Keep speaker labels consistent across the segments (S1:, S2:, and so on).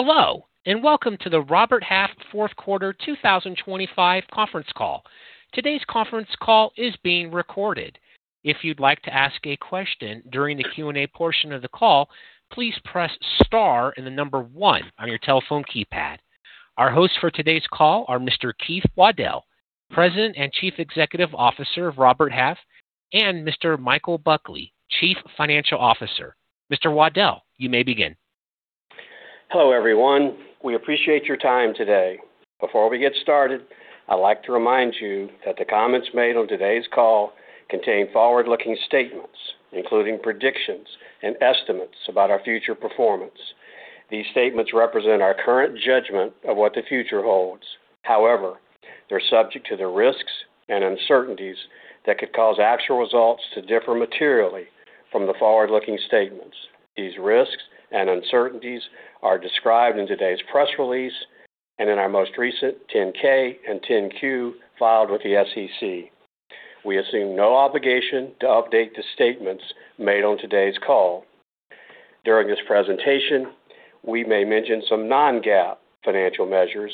S1: Hello, and welcome to the Robert Half Fourth Quarter 2025 conference call. Today's conference call is being recorded. If you'd like to ask a question during the Q&A portion of the call, please press star and the number one on your telephone keypad. Our hosts for today's call are Mr. Keith Waddell, President and Chief Executive Officer of Robert Half, and Mr. Michael Buckley, Chief Financial Officer. Mr. Waddell, you may begin.
S2: Hello everyone. We appreciate your time today. Before we get started, I'd like to remind you that the comments made on today's call contain forward-looking statements, including predictions and estimates about our future performance. These statements represent our current judgment of what the future holds. However, they're subject to the risks and uncertainties that could cause actual results to differ materially from the forward-looking statements. These risks and uncertainties are described in today's press release and in our most recent 10-K and 10-Q filed with the SEC. We assume no obligation to update the statements made on today's call. During this presentation, we may mention some non-GAAP financial measures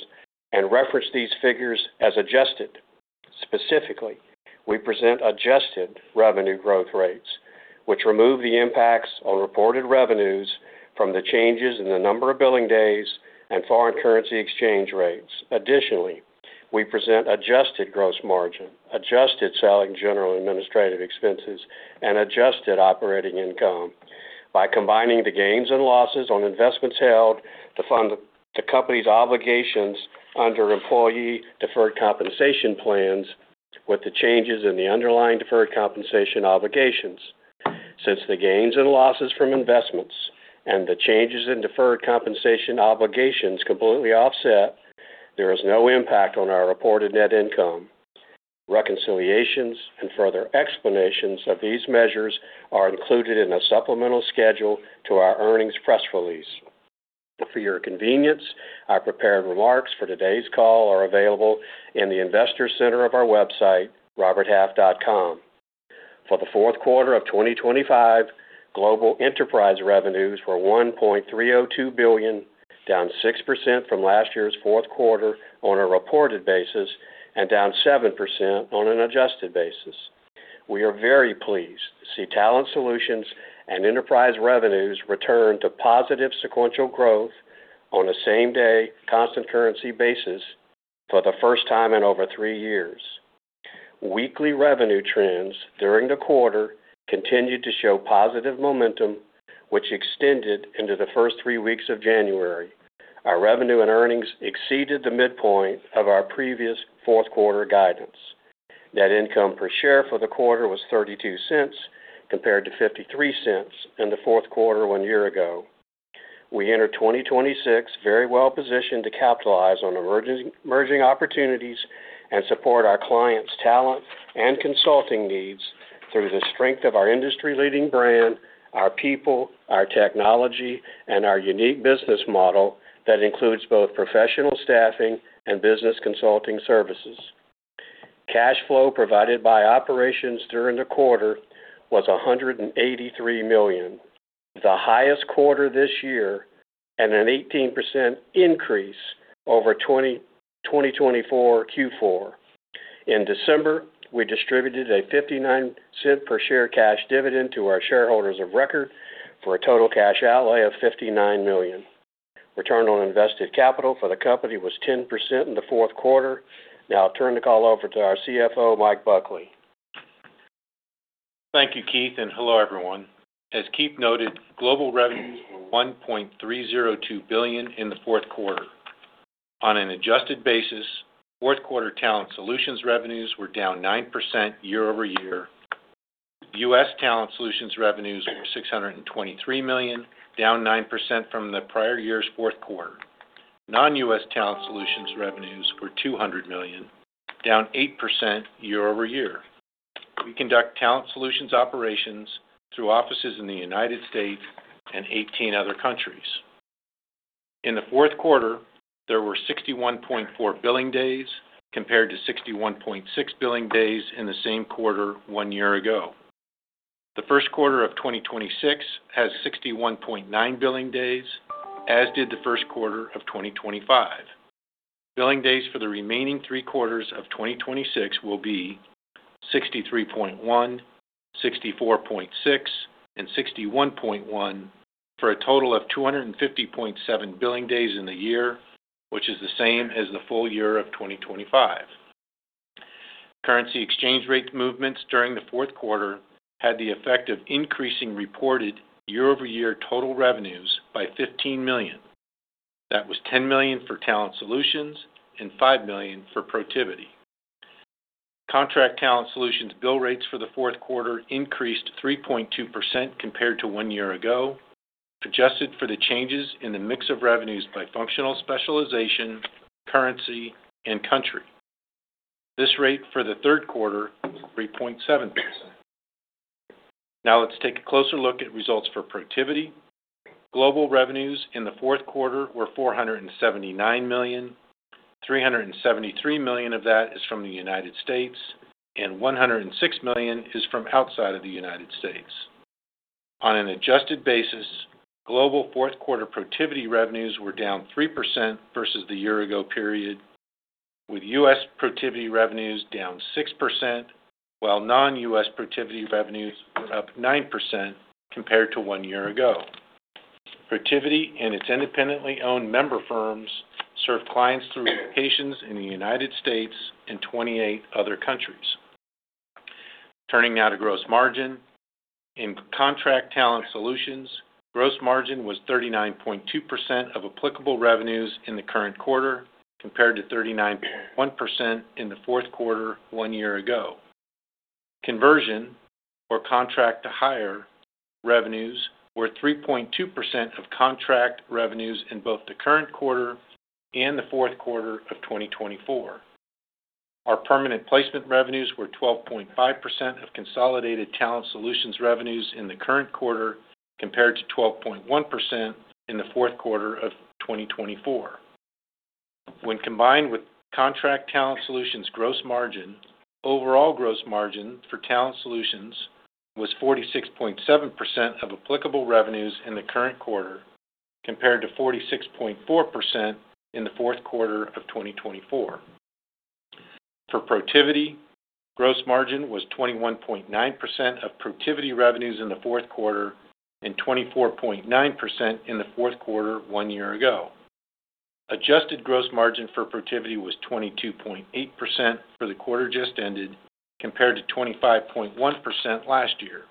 S2: and reference these figures as adjusted. Specifically, we present adjusted revenue growth rates, which remove the impacts on reported revenues from the changes in the number of billing days and foreign currency exchange rates. Additionally, we present adjusted gross margin, adjusted selling general administrative expenses, and adjusted operating income by combining the gains and losses on investments held to fund the company's obligations under employee deferred compensation plans with the changes in the underlying deferred compensation obligations. Since the gains and losses from investments and the changes in deferred compensation obligations completely offset, there is no impact on our reported net income. Reconciliations and further explanations of these measures are included in a supplemental schedule to our earnings press release. For your convenience, our prepared remarks for today's call are available in the investor center of our website, RobertHalf.com. For the fourth quarter of 2025, global enterprise revenues were $1.302 billion, down 6% from last year's fourth quarter on a reported basis and down 7% on an adjusted basis. We are very pleased to see Talent Solutions and enterprise revenues return to positive sequential growth on a same-day constant currency basis for the first time in over three years. Weekly revenue trends during the quarter continued to show positive momentum, which extended into the first three weeks of January. Our revenue and earnings exceeded the midpoint of our previous fourth quarter guidance. Net income per share for the quarter was $0.32, compared to $0.53 in the fourth quarter one year ago. We entered 2026 very well positioned to capitalize on emerging opportunities and support our clients' talent and consulting needs through the strength of our industry-leading brand, our people, our technology, and our unique business model that includes both professional staffing and business consulting services. Cash flow provided by operations during the quarter was $183 million, the highest quarter this year and an 18% increase over 2024 Q4. In December, we distributed a $0.59 per share cash dividend to our shareholders of record for a total cash outlay of $59 million. Return on invested capital for the company was 10% in the fourth quarter. Now I'll turn the call over to our CFO, Mike Buckley.
S3: Thank you, Keith, and hello everyone. As Keith noted, global revenues were $1.302 billion in the fourth quarter. On an adjusted basis, fourth quarter Talent Solutions revenues were down 9% year-over-year. U.S. Talent Solutions revenues were $623 million, down 9% from the prior year's fourth quarter. Non-U.S. Talent Solutions revenues were $200 million, down 8% year-over-year. We conduct Talent Solutions operations through offices in the United States and 18 other countries. In the fourth quarter, there were 61.4 billing days compared to 61.6 billing days in the same quarter one year ago. The first quarter of 2026 has 61.9 billing days, as did the first quarter of 2025. Billing days for the remaining three quarters of 2026 will be 63.1, 64.6, and 61.1 for a total of 250.7 billing days in the year, which is the same as the full year of 2025. Currency exchange rate movements during the fourth quarter had the effect of increasing reported year-over-year total revenues by $15 million. That was $10 million for Talent Solutions and $5 million for Protiviti. Contract Talent Solutions bill rates for the fourth quarter increased 3.2% compared to one year ago, adjusted for the changes in the mix of revenues by functional specialization, currency, and country. This rate for the third quarter was 3.7%. Now let's take a closer look at results for Protiviti. Global revenues in the fourth quarter were $479 million. $373 million of that is from the United States, and $106 million is from outside of the United States. On an adjusted basis, global fourth quarter Protiviti revenues were down 3% versus the year-ago period, with U.S. Protiviti revenues down 6%, while non-U.S. Protiviti revenues were up 9% compared to one year ago. Protiviti and its independently owned member firms serve clients through locations in the United States and 28 other countries. Turning now to gross margin. In contract Talent Solutions, gross margin was 39.2% of applicable revenues in the current quarter compared to 39.1% in the fourth quarter one year ago. Conversion, or contract-to-hire revenues, were 3.2% of contract revenues in both the current quarter and the fourth quarter of 2024. Our permanent placement revenues were 12.5% of consolidated Talent Solutions revenues in the current quarter compared to 12.1% in the fourth quarter of 2024. When combined with contract Talent Solutions gross margin, overall gross margin for Talent Solutions was 46.7% of applicable revenues in the current quarter compared to 46.4% in the fourth quarter of 2024. For Protiviti, gross margin was 21.9% of Protiviti revenues in the fourth quarter and 24.9% in the fourth quarter one year ago. Adjusted gross margin for Protiviti was 22.8% for the quarter just ended compared to 25.1% last year.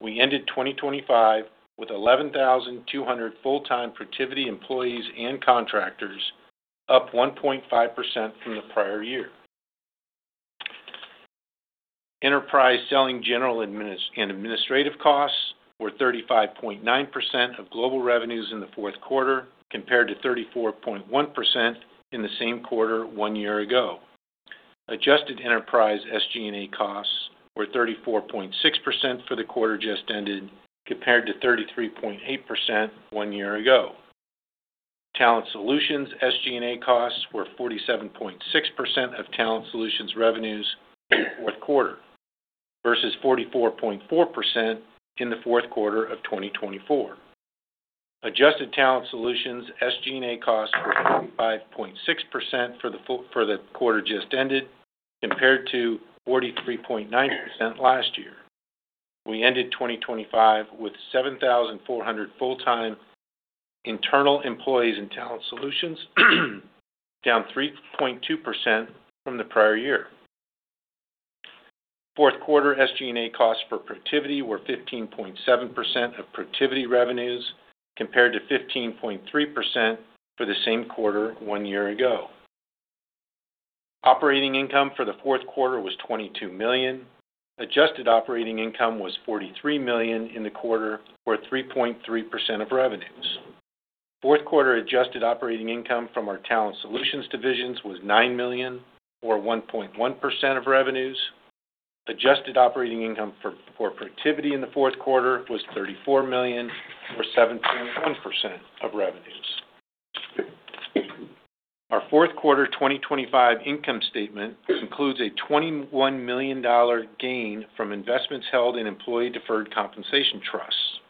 S3: We ended 2025 with 11,200 full-time Protiviti employees and contractors, up 1.5% from the prior year. Enterprise selling general and administrative costs were 35.9% of global revenues in the fourth quarter compared to 34.1% in the same quarter one year ago. Adjusted enterprise SG&A costs were 34.6% for the quarter just ended compared to 33.8% one year ago. Talent Solutions SG&A costs were 47.6% of Talent Solutions revenues in the fourth quarter versus 44.4% in the fourth quarter of 2024. Adjusted Talent Solutions SG&A costs were 55.6% for the quarter just ended compared to 43.9% last year. We ended 2025 with 7,400 full-time internal employees in Talent Solutions, down 3.2% from the prior year. Fourth quarter SG&A costs for Protiviti were 15.7% of Protiviti revenues compared to 15.3% for the same quarter one year ago. Operating income for the fourth quarter was $22 million. Adjusted operating income was $43 million in the quarter, or 3.3% of revenues. Fourth quarter adjusted operating income from our Talent Solutions divisions was $9 million, or 1.1% of revenues. Adjusted operating income for Protiviti in the fourth quarter was $34 million, or 17.1% of revenues. Our fourth quarter 2025 income statement includes a $21 million gain from investments held in employee deferred compensation trusts.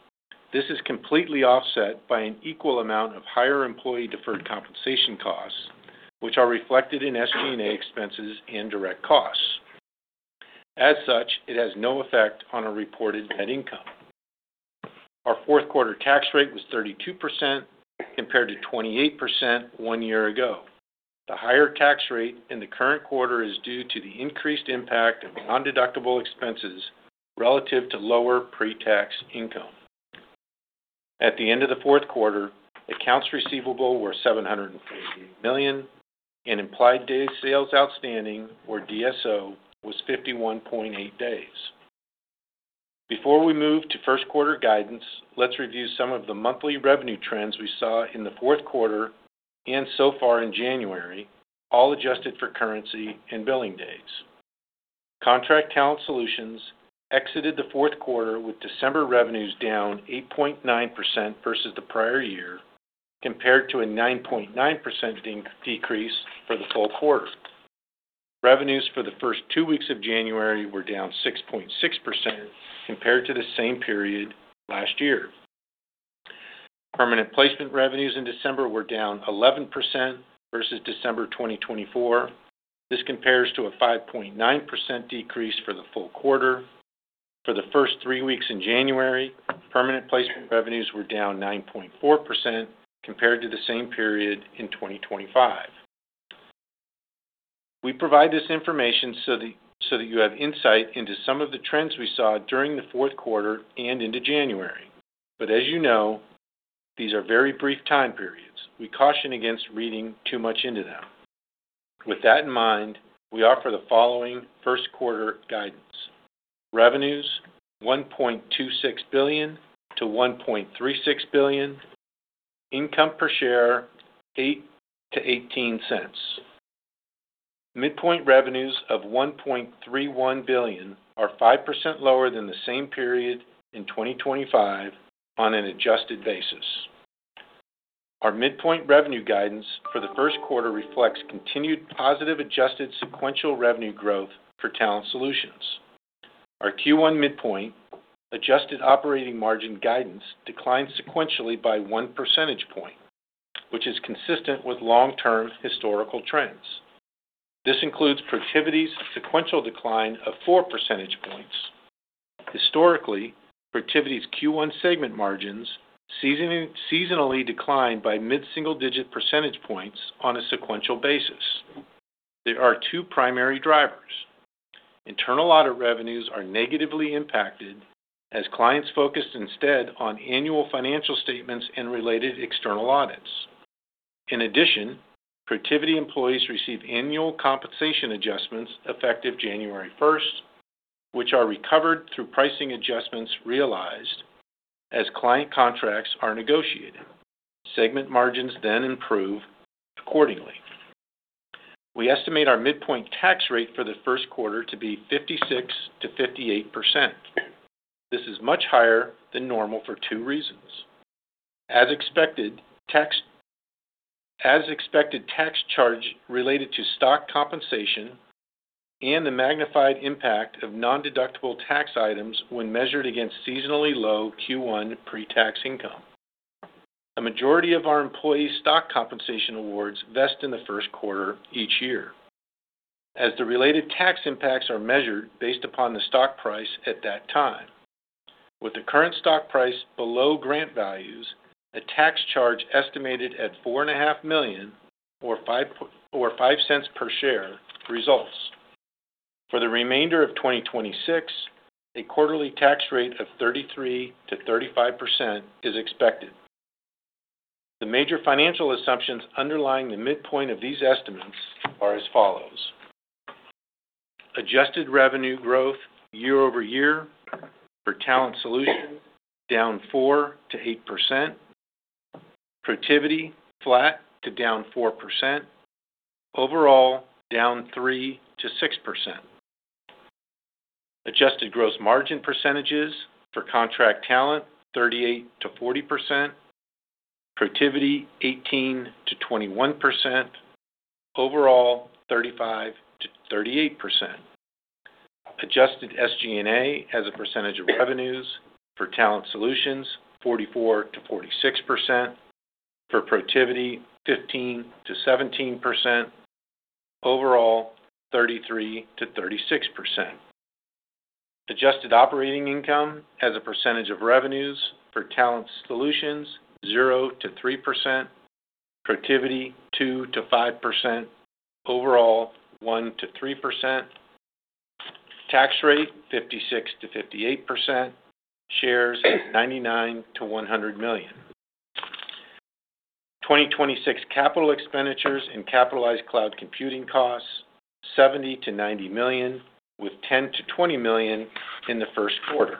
S3: This is completely offset by an equal amount of higher employee deferred compensation costs, which are reflected in SG&A expenses and direct costs. As such, it has no effect on our reported net income. Our fourth quarter tax rate was 32% compared to 28% one year ago. The higher tax rate in the current quarter is due to the increased impact of non-deductible expenses relative to lower pre-tax income. At the end of the fourth quarter, accounts receivable were $748 million, and implied days sales outstanding, or DSO, was 51.8 days. Before we move to first quarter guidance, let's review some of the monthly revenue trends we saw in the fourth quarter and so far in January, all adjusted for currency and billing days. Contract Talent Solutions exited the fourth quarter with December revenues down 8.9% versus the prior year, compared to a 9.9% decrease for the full quarter. Revenues for the first two weeks of January were down 6.6% compared to the same period last year. Permanent placement revenues in December were down 11% versus December 2024. This compares to a 5.9% decrease for the full quarter. For the first three weeks in January, permanent placement revenues were down 9.4% compared to the same period in 2025. We provide this information so that you have insight into some of the trends we saw during the fourth quarter and into January. But as you know, these are very brief time periods. We caution against reading too much into them. With that in mind, we offer the following first quarter guidance. Revenues: $1.26 billion-$1.36 billion. Income per share: $0.08-$0.18. Midpoint revenues of $1.31 billion are 5% lower than the same period in 2025 on an adjusted basis. Our midpoint revenue guidance for the first quarter reflects continued positive adjusted sequential revenue growth for Talent Solutions. Our Q1 midpoint adjusted operating margin guidance declined sequentially by one percentage point, which is consistent with long-term historical trends. This includes Protiviti's sequential decline of four percentage points. Historically, Protiviti's Q1 segment margins seasonally declined by mid-single-digit percentage points on a sequential basis. There are two primary drivers. Internal audit revenues are negatively impacted as clients focused instead on annual financial statements and related external audits. In addition, Protiviti employees receive annual compensation adjustments effective January 1st, which are recovered through pricing adjustments realized as client contracts are negotiated. Segment margins then improve accordingly. We estimate our midpoint tax rate for the first quarter to be 56%-58%. This is much higher than normal for two reasons. As expected, tax charge related to stock compensation and the magnified impact of non-deductible tax items when measured against seasonally low Q1 pre-tax income. A majority of our employee stock compensation awards vest in the first quarter each year, as the related tax impacts are measured based upon the stock price at that time. With the current stock price below grant values, a tax charge estimated at $4.5 million, or $0.05 per share, results. For the remainder of 2026, a quarterly tax rate of 33%-35% is expected. The major financial assumptions underlying the midpoint of these estimates are as follows. Adjusted revenue growth year over year for Talent Solutions: down 4%-8%. Protiviti: flat to down 4%. Overall: down 3%-6%. Adjusted gross margin percentages for contract Talent: 38%-40%. Protiviti: 18%-21%. Overall: 35%-38%. Adjusted SG&A as a percentage of revenues for Talent Solutions: 44%-46%. For Protiviti: 15%-17%. Overall: 33%-36%. Adjusted operating income as a percentage of revenues for Talent Solutions: 0%-3%. Protiviti: 2%-5%. Overall: 1%-3%. Tax rate: 56%-58%. Shares: 99-100 million. 2026 capital expenditures and capitalized cloud computing costs: $70-$90 million, with $10-$20 million in the first quarter.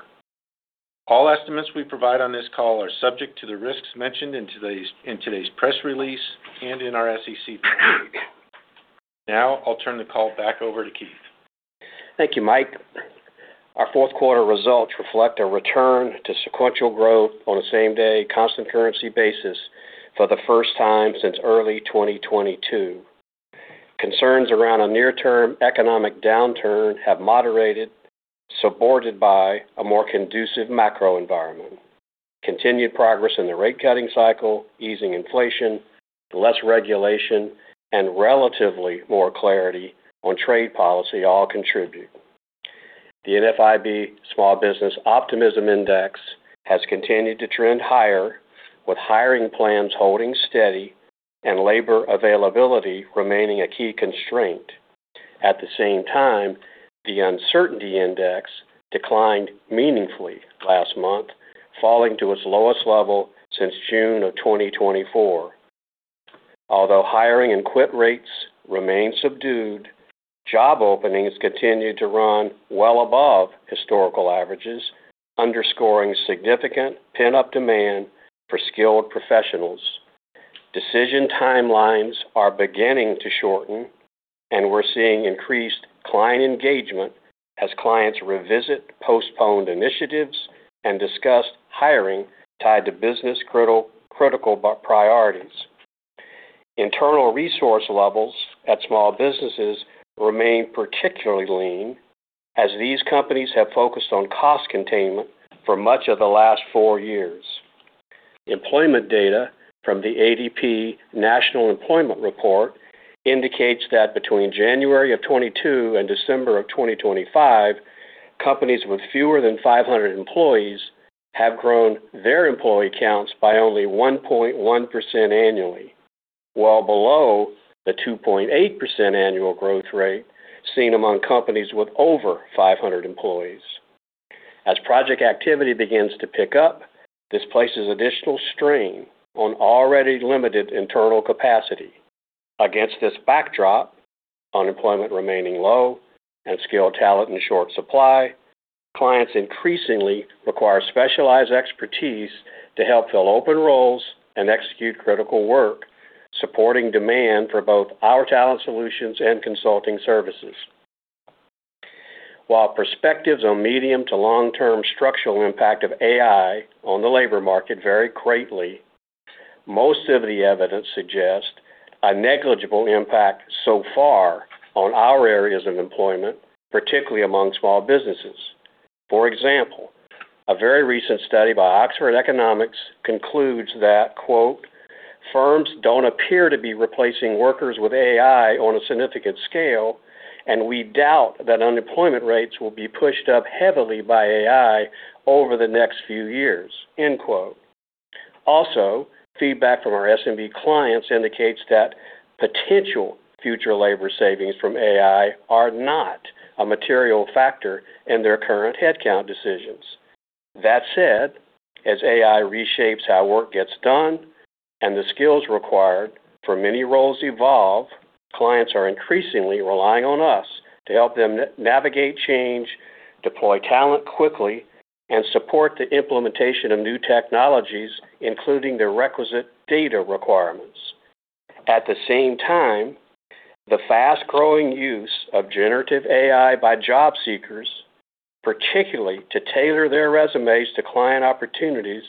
S3: All estimates we provide on this call are subject to the risks mentioned in today's press release and in our SEC filings. Now I'll turn the call back over to Keith.
S2: Thank you, Mike. Our fourth quarter results reflect a return to sequential growth on a same-day, constant-currency basis for the first time since early 2022. Concerns around a near-term economic downturn have moderated, subordinated by a more conducive macro environment. Continued progress in the rate-cutting cycle, easing inflation, less regulation, and relatively more clarity on trade policy all contribute. The NFIB Small Business Optimism Index has continued to trend higher, with hiring plans holding steady and labor availability remaining a key constraint. At the same time, the uncertainty index declined meaningfully last month, falling to its lowest level since June of 2024. Although hiring and quit rates remain subdued, job openings continue to run well above historical averages, underscoring significant pent-up demand for skilled professionals. Decision timelines are beginning to shorten, and we're seeing increased client engagement as clients revisit postponed initiatives and discuss hiring tied to business-critical priorities. Internal resource levels at small businesses remain particularly lean as these companies have focused on cost containment for much of the last four years. Employment data from the ADP National Employment Report indicates that between January of 2022 and December of 2025, companies with fewer than 500 employees have grown their employee counts by only 1.1% annually, well below the 2.8% annual growth rate seen among companies with over 500 employees. As project activity begins to pick up, this places additional strain on already limited internal capacity. Against this backdrop, unemployment remaining low and skilled talent in short supply, clients increasingly require specialized expertise to help fill open roles and execute critical work, supporting demand for both our Talent Solutions and consulting services. While perspectives on medium to long-term structural impact of AI on the labor market vary greatly, most of the evidence suggests a negligible impact so far on our areas of employment, particularly among small businesses. For example, a very recent study by Oxford Economics concludes that, "Firms don't appear to be replacing workers with AI on a significant scale, and we doubt that unemployment rates will be pushed up heavily by AI over the next few years." Also, feedback from our SMB clients indicates that potential future labor savings from AI are not a material factor in their current headcount decisions. That said, as AI reshapes how work gets done and the skills required for many roles evolve, clients are increasingly relying on us to help them navigate change, deploy talent quickly, and support the implementation of new technologies, including their requisite data requirements. At the same time, the fast-growing use of generative AI by job seekers, particularly to tailor their resumes to client opportunities,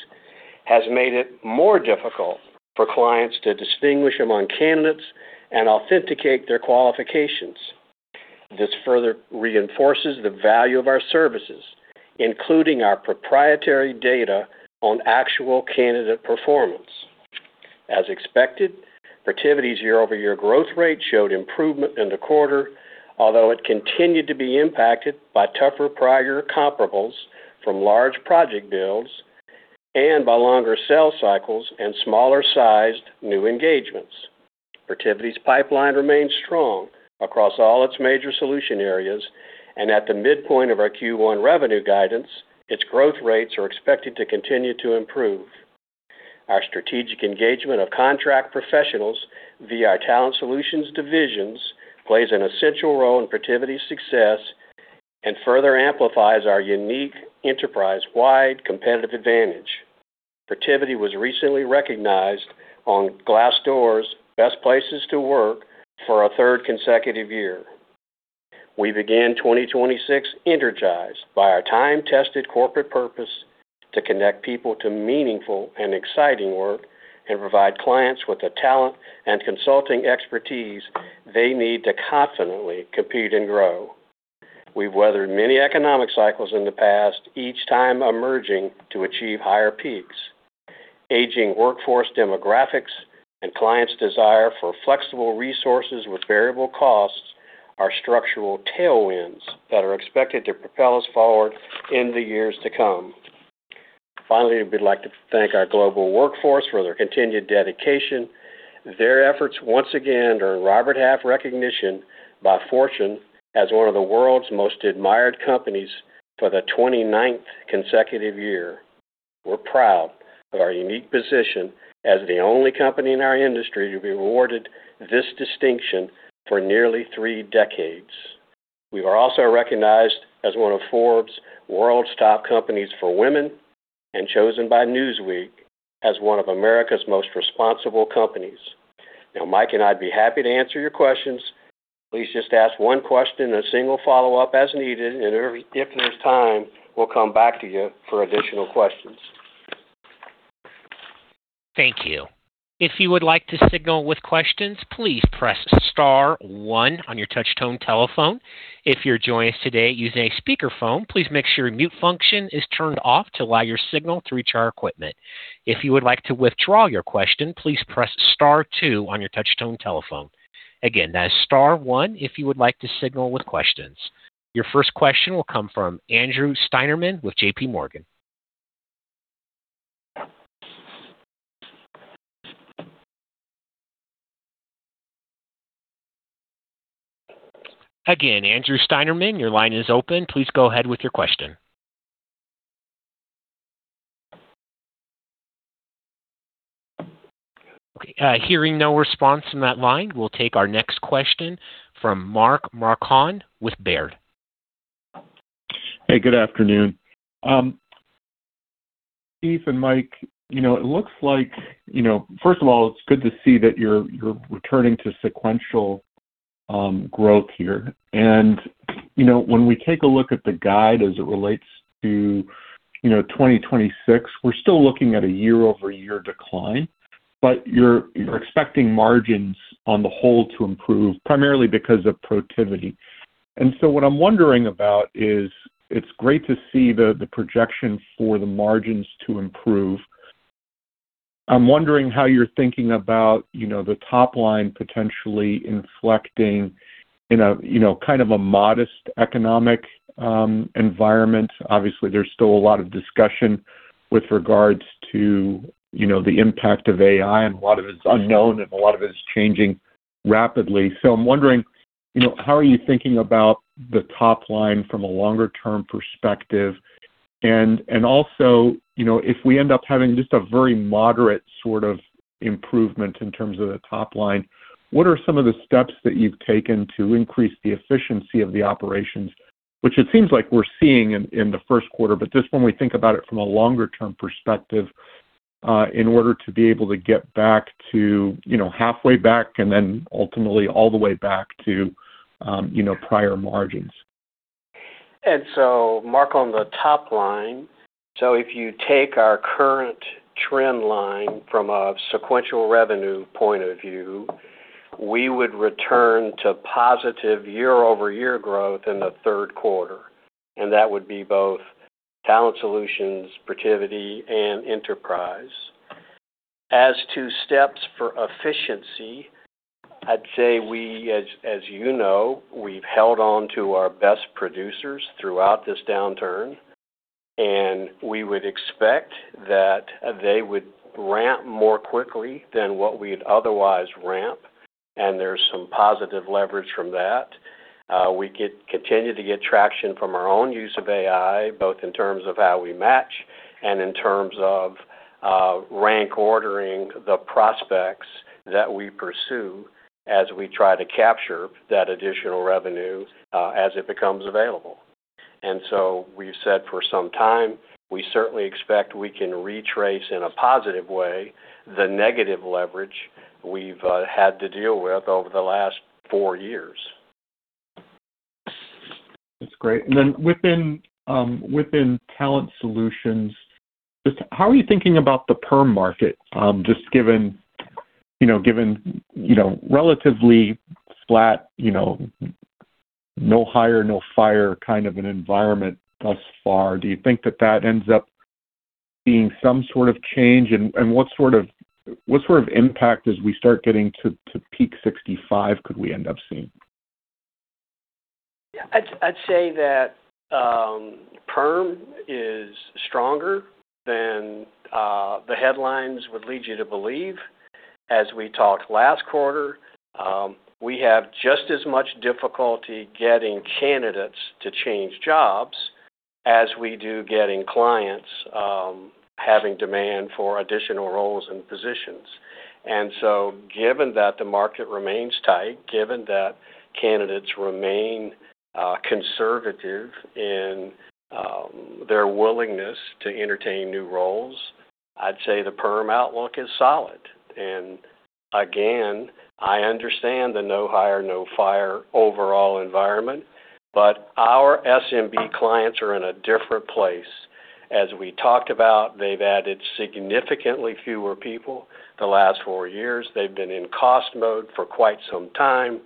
S2: has made it more difficult for clients to distinguish among candidates and authenticate their qualifications. This further reinforces the value of our services, including our proprietary data on actual candidate performance. As expected, Protiviti's year-over-year growth rate showed improvement in the quarter, although it continued to be impacted by tougher prior comparables from large project builds and by longer sales cycles and smaller-sized new engagements. Protiviti's pipeline remains strong across all its major solution areas, and at the midpoint of our Q1 revenue guidance, its growth rates are expected to continue to improve. Our strategic engagement of contract professionals via our Talent Solutions divisions plays an essential role in Protiviti's success and further amplifies our unique enterprise-wide competitive advantage. Protiviti was recently recognized on Glassdoor's Best Places to Work for a third consecutive year. We began 2026 energized by our time-tested corporate purpose to connect people to meaningful and exciting work and provide clients with the talent and consulting expertise they need to confidently compete and grow. We've weathered many economic cycles in the past, each time emerging to achieve higher peaks. Aging workforce demographics and clients' desire for flexible resources with variable costs are structural tailwinds that are expected to propel us forward in the years to come. Finally, we'd like to thank our global workforce for their continued dedication. Their efforts once again earn Robert Half recognition by Fortune as one of the World's Most Admired Companies for the 29th consecutive year. We're proud of our unique position as the only company in our industry to be awarded this distinction for nearly three decades. We are also recognized as one of Forbes' World's Top Companies for Women and chosen by Newsweek as one of America's Most Responsible Companies. Now, Mike and I would be happy to answer your questions. Please just ask one question and a single follow-up as needed, and if there's time, we'll come back to you for additional questions.
S1: Thank you. If you would like to signal with questions, please press Star 1 on your touch-tone telephone. If you're joining us today using a speakerphone, please make sure your mute function is turned off to allow your signal to reach our equipment. If you would like to withdraw your question, please press Star 2 on your touch-tone telephone. Again, that is Star 1 if you would like to signal with questions. Your first question will come from Andrew Steinerman with J.P. Morgan. Again, Andrew Steinerman, your line is open. Please go ahead with your question. Hearing no response from that line, we'll take our next question from Mark Marcon with Baird.
S4: Hey, good afternoon. Keith and Mike, it looks like, first of all, it's good to see that you're returning to sequential growth here. And when we take a look at the guide as it relates to 2026, we're still looking at a year-over-year decline, but you're expecting margins on the whole to improve, primarily because of Protiviti. And so what I'm wondering about is it's great to see the projection for the margins to improve. I'm wondering how you're thinking about the top line potentially inflecting in a kind of a modest economic environment. Obviously, there's still a lot of discussion with regards to the impact of AI, and a lot of it's unknown, and a lot of it's changing rapidly. So I'm wondering, how are you thinking about the top line from a longer-term perspective? And also, if we end up having just a very moderate sort of improvement in terms of the top line, what are some of the steps that you've taken to increase the efficiency of the operations, which it seems like we're seeing in the first quarter, but just when we think about it from a longer-term perspective, in order to be able to get back to halfway back and then ultimately all the way back to prior margins?
S2: And so, Mark, on the top line, so if you take our current trend line from a sequential revenue point of view, we would return to positive year-over-year growth in the third quarter. And that would be both Talent Solutions, Protiviti, and Enterprise.
S3: As to steps for efficiency, I'd say we, as you know, we've held on to our best producers throughout this downturn, and we would expect that they would ramp more quickly than what we'd otherwise ramp, and there's some positive leverage from that. We continue to get traction from our own use of AI, both in terms of how we match and in terms of rank-ordering the prospects that we pursue as we try to capture that additional revenue as it becomes available. And so we've said for some time, we certainly expect we can retrace in a positive way the negative leverage we've had to deal with over the last four years.
S4: That's great. And then within Talent Solutions, just how are you thinking about the perm market, just given relatively flat, no hire, no fire kind of an environment thus far? Do you think that that ends up being some sort of change, and what sort of impact, as we start getting to Peak 65, could we end up seeing?
S2: I'd say that perm is stronger than the headlines would lead you to believe. As we talked last quarter, we have just as much difficulty getting candidates to change jobs as we do getting clients having demand for additional roles and positions. And so given that the market remains tight, given that candidates remain conservative in their willingness to entertain new roles, I'd say the perm outlook is solid. And again, I understand the no hire, no fire overall environment, but our SMB clients are in a different place. As we talked about, they've added significantly fewer people the last four years. They've been in cost mode for quite some time.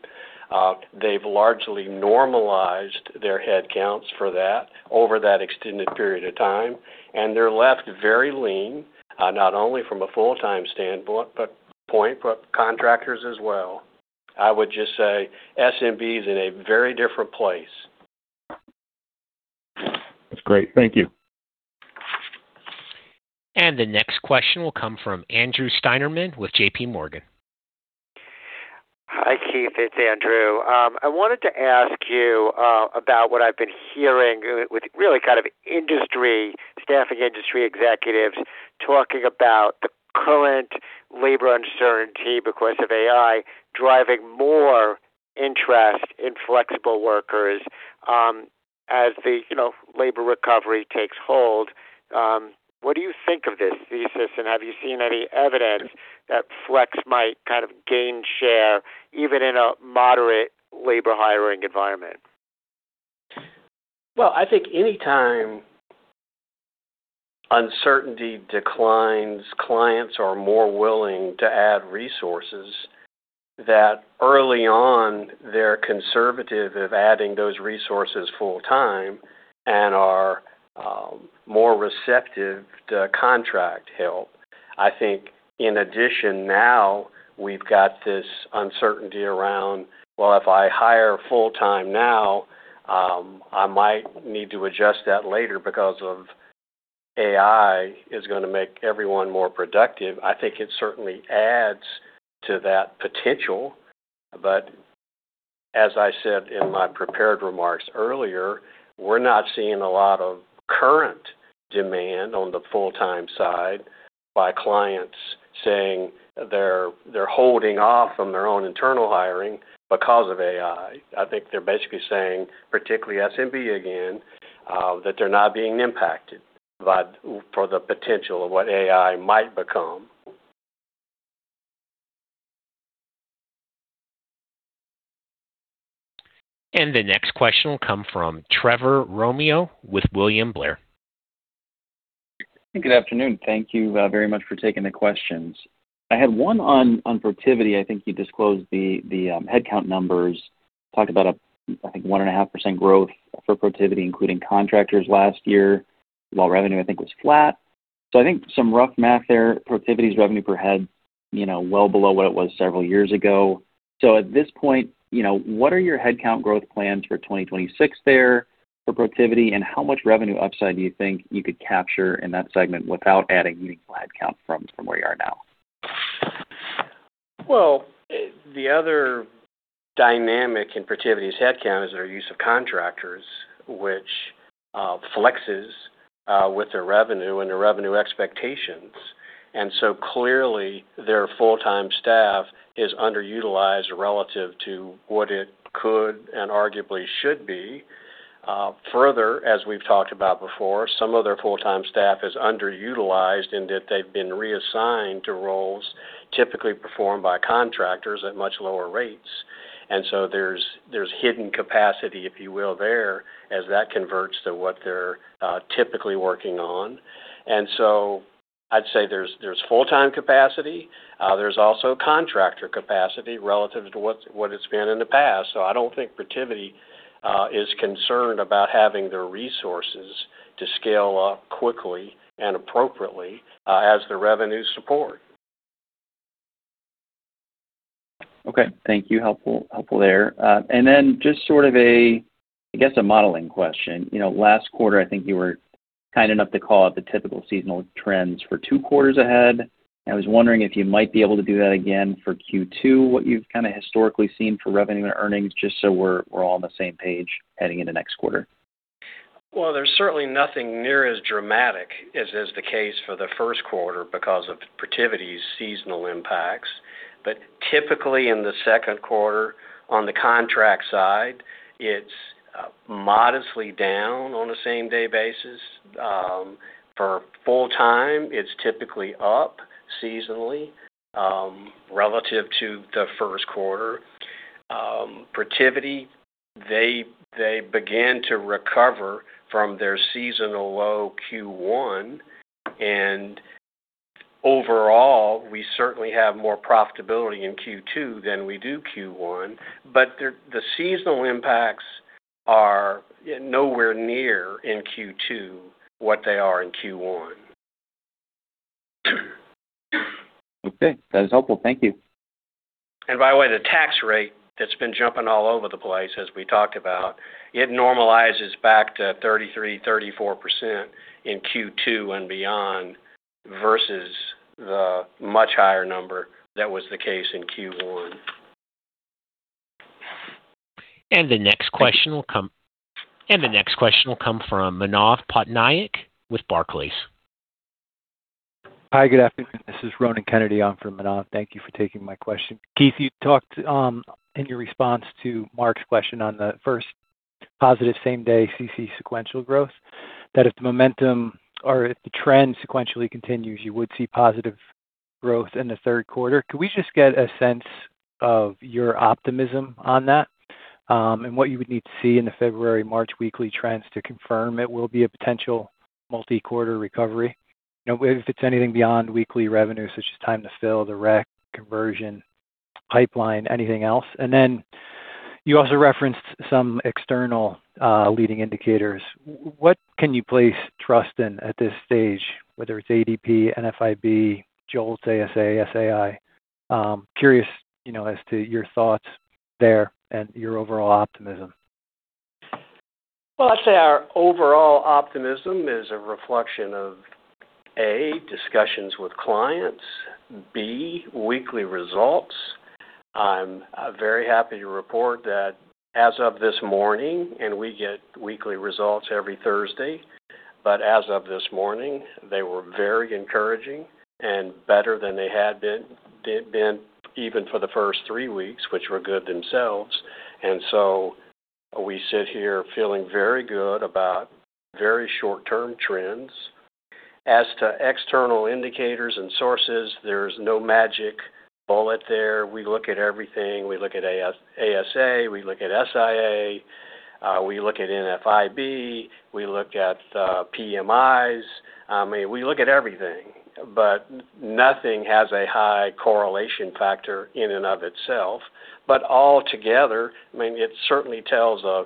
S2: They've largely normalized their headcounts for that over that extended period of time, and they're left very lean, not only from a full-time standpoint but contractors as well. I would just say SMB is in a very different place.
S4: That's great. Thank you.
S1: And the next question will come from Andrew Steinerman with J.P. Morgan.
S5: Hi, Keith. It's Andrew. I wanted to ask you about what I've been hearing with really kind of industry, staffing industry executives talking about the current labor uncertainty because of AI driving more interest in flexible workers as the labor recovery takes hold. What do you think of this thesis, and have you seen any evidence that flex might kind of gain share even in a moderate labor hiring environment?
S2: Well, I think anytime uncertainty declines, clients are more willing to add resources that early on they're conservative of adding those resources full-time and are more receptive to contract help. I think in addition, now we've got this uncertainty around, "Well, if I hire full-time now, I might need to adjust that later because AI is going to make everyone more productive." I think it certainly adds to that potential, but as I said in my prepared remarks earlier, we're not seeing a lot of current demand on the full-time side by clients saying they're holding off on their own internal hiring because of AI. I think they're basically saying, particularly SMB again, that they're not being impacted for the potential of what AI might become.
S1: And the next question will come from Trevor Romeo with William Blair.
S6: Good afternoon. Thank you very much for taking the questions. I had one on Protiviti. I think you disclosed the headcount numbers, talked about a, I think, 1.5% growth for Protiviti, including contractors last year. Last revenue, I think, was flat. So I think some rough math there. Protiviti's revenue per head well below what it was several years ago. So at this point, what are your headcount growth plans for 2026 there for Protiviti, and how much revenue upside do you think you could capture in that segment without adding meaningful headcount from where you are now?
S2: Well, the other dynamic in Protiviti's headcount is their use of contractors, which flexes with their revenue and their revenue expectations. And so clearly, their full-time staff is underutilized relative to what it could and arguably should be. Further, as we've talked about before, some of their full-time staff is underutilized in that they've been reassigned to roles typically performed by contractors at much lower rates. And so there's hidden capacity, if you will, there as that converts to what they're typically working on. And so I'd say there's full-time capacity. There's also contractor capacity relative to what it's been in the past. So I don't think Protiviti is concerned about having their resources to scale up quickly and appropriately as their revenues support.
S6: Okay. Thank you. Helpful there. And then just sort of a, I guess, a modeling question. Last quarter, I think you were kind enough to call out the typical seasonal trends for two quarters ahead. I was wondering if you might be able to do that again for Q2, what you've kind of historically seen for revenue and earnings, just so we're all on the same page heading into next quarter.
S3: Well, there's certainly nothing near as dramatic as is the case for the first quarter because of Protiviti's seasonal impacts. But typically in the second quarter, on the contract side, it's modestly down on a same-day basis. For full-time, it's typically up seasonally relative to the first quarter. Protiviti, they began to recover from their seasonal low Q1. And overall, we certainly have more profitability in Q2 than we do Q1, but the seasonal impacts are nowhere near in Q2 what they are in Q1.
S6: Okay. That is helpful. Thank you.
S2: And by the way, the tax rate that's been jumping all over the place, as we talked about, it normalizes back to 33%-34% in Q2 and beyond versus the much higher number that was the case in Q1.
S1: And the next question will come and the next question will come from Manav Patnaik with Barclays.
S7: Hi, good afternoon. This is Ronan Kennedy. I'm from Manav. Thank you for taking my question. Keith, you talked in your response to Mark's question on the first positive same-day CC sequential growth, that if the momentum or if the trend sequentially continues, you would see positive growth in the third quarter. Could we just get a sense of your optimism on that and what you would need to see in the February/March weekly trends to confirm it will be a potential multi-quarter recovery? If it's anything beyond weekly revenue, such as time to fill, the rec, conversion, pipeline, anything else? And then you also referenced some external leading indicators. What can you place trust in at this stage, whether it's ADP, NFIB, JOLTS, ASA, SIA? Curious as to your thoughts there and your overall optimism.
S2: Well, I'd say our overall optimism is a reflection of, A, discussions with clients, B, weekly results. I'm very happy to report that as of this morning, and we get weekly results every Thursday, but as of this morning, they were very encouraging and better than they had been even for the first three weeks, which were good themselves. And so we sit here feeling very good about very short-term trends. As to external indicators and sources, there's no magic bullet there. We look at everything. We look at ASA. We look at SIA. We look at NFIB. We look at PMIs. I mean, we look at everything, but nothing has a high correlation factor in and of itself. But all together, I mean, it certainly tells a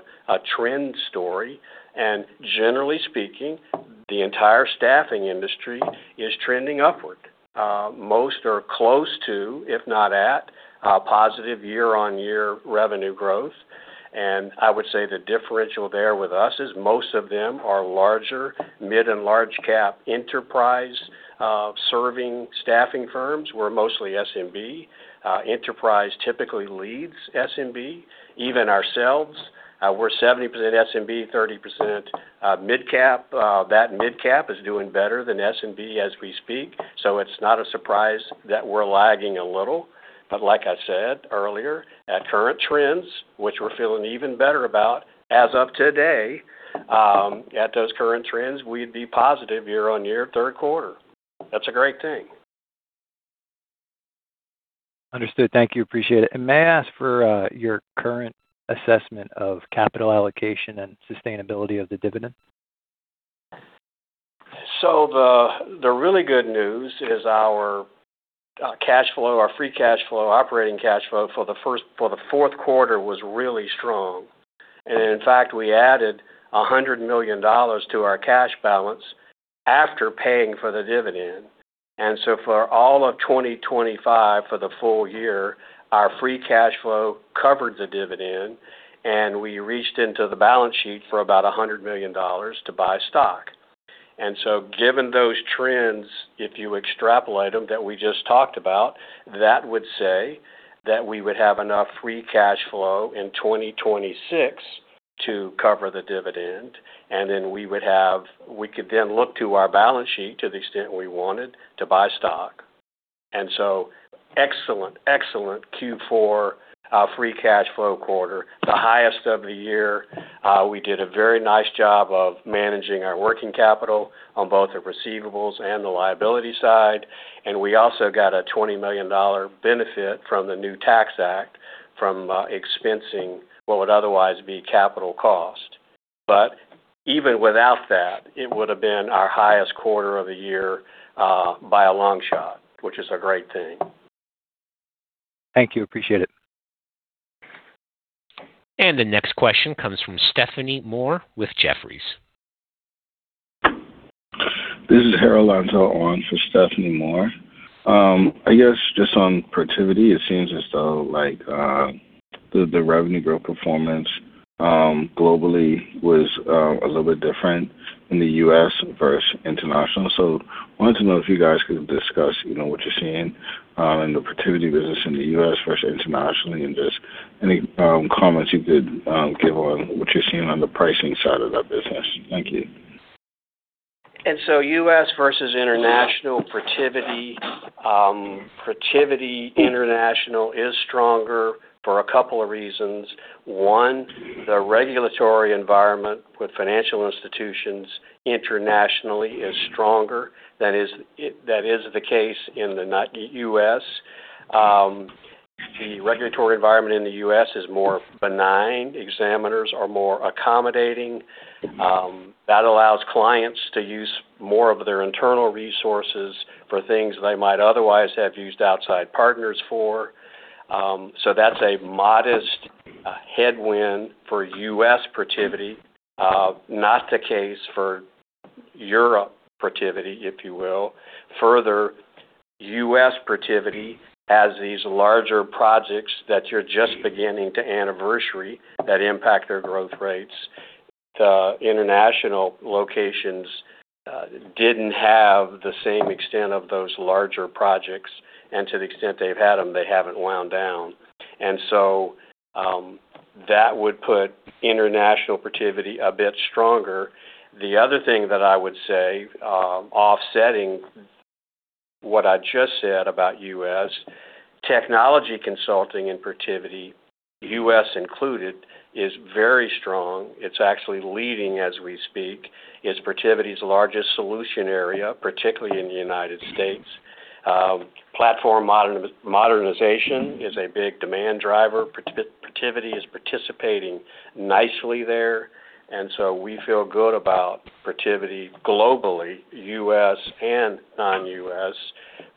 S2: trend story. And generally speaking, the entire staffing industry is trending upward. Most are close to, if not at, positive year-on-year revenue growth. And I would say the differential there with us is most of them are larger, mid and large-cap enterprise-serving staffing firms. We're mostly SMB. Enterprise typically leads SMB. Even ourselves, we're 70% SMB, 30% mid-cap. That mid-cap is doing better than SMB as we speak. So it's not a surprise that we're lagging a little. But like I said earlier, at current trends, which we're feeling even better about as of today, at those current trends, we'd be positive year-on-year third quarter. That's a great thing.
S7: Understood. Thank you. Appreciate it. And may I ask for your current assessment of capital allocation and sustainability of the dividend?
S3: So the really good news is our cash flow, our free cash flow, operating cash flow for the fourth quarter was really strong. And in fact, we added $100 million to our cash balance after paying for the dividend. And so for all of 2025, for the full year, our free cash flow covered the dividend, and we reached into the balance sheet for about $100 million to buy stock. And so given those trends, if you extrapolate them that we just talked about, that would say that we would have enough free cash flow in 2026 to cover the dividend, and then we would have we could then look to our balance sheet to the extent we wanted to buy stock. Excellent, excellent Q4 free cash flow quarter, the highest of the year. We did a very nice job of managing our working capital on both the receivables and the liability side. And we also got a $20 million benefit from the new tax act from expensing what would otherwise be capital cost. But even without that, it would have been our highest quarter of the year by a long shot, which is a great thing.
S7: Thank you. Appreciate it.
S1: And the next question comes from Stephanie Moore with Jefferies.
S8: This is Harold Antor for Stephanie Moore. I guess just on Protiviti, it seems as though the revenue growth performance globally was a little bit different in the U.S. versus international. So I wanted to know if you guys could discuss what you're seeing in the Protiviti business in the U.S. versus internationally and just any comments you could give on what you're seeing on the pricing side of that business? Thank you.
S2: And so U.S. versus international, Protiviti international is stronger for a couple of reasons. One, the regulatory environment with financial institutions internationally is stronger than is the case in the U.S. The regulatory environment in the U.S. is more benign. Examiners are more accommodating. That allows clients to use more of their internal resources for things they might otherwise have used outside partners for. So that's a modest headwind for U.S. Protiviti, not the case for Europe Protiviti, if you will. Further, U.S. Protiviti has these larger projects that you're just beginning to anniversary that impact their growth rates. The international locations didn't have the same extent of those larger projects, and to the extent they've had them, they haven't wound down. And so that would put international Protiviti a bit stronger. The other thing that I would say, offsetting what I just said about U.S., technology consulting in Protiviti, U.S. included, is very strong. It's actually leading as we speak. It's Protiviti's largest solution area, particularly in the United States. Platform modernization is a big demand driver. Protiviti is participating nicely there. And so we feel good about Protiviti globally, U.S. and non-U.S.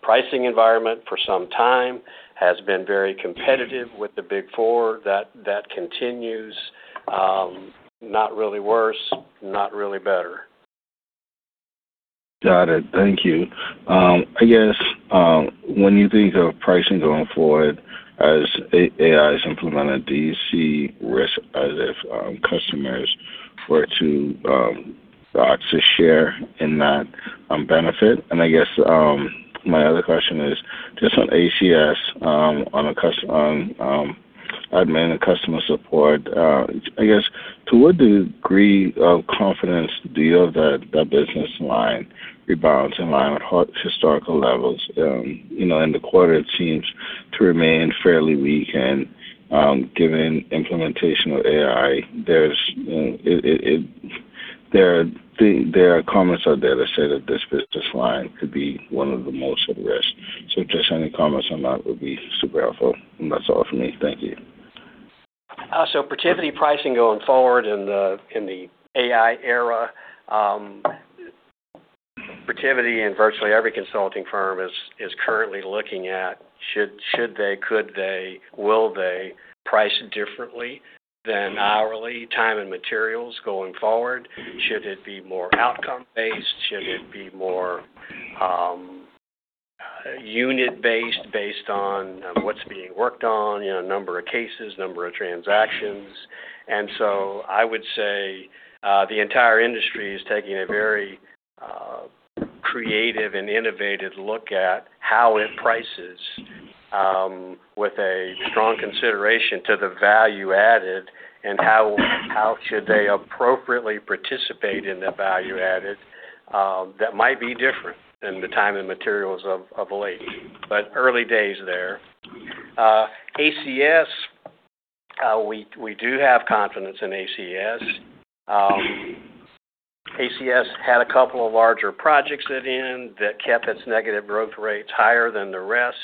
S2: Pricing environment for some time has been very competitive with the Big Four. That continues. Not really worse, not really better.
S8: Got it. Thank you. I guess when you think of pricing going forward as AI is implemented, do you see risk as if customers were to share in that benefit? I guess my other question is just on ACS, on admin and customer support. I guess to what degree of confidence do you have that that business line rebounds in line with historical levels? In the quarter, it seems to remain fairly weak. And given implementation of AI, there are comments out there that say that this business line could be one of the most at risk. So if there's any comments on that, it would be super helpful. And that's all for me. Thank you.
S2: Protiviti pricing going forward in the AI era, Protiviti and virtually every consulting firm is currently looking at, should they, could they, will they price differently than hourly, time and materials going forward? Should it be more outcome-based? Should it be more unit-based based on what's being worked on, number of cases, number of transactions? So I would say the entire industry is taking a very creative and innovative look at how it prices with a strong consideration to the value added and how should they appropriately participate in the value added that might be different than the time and materials of late. But early days there. ACS, we do have confidence in ACS. ACS had a couple of larger projects at the end that kept its negative growth rates higher than the rest.